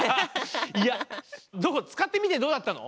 いやつかってみてどうだったの？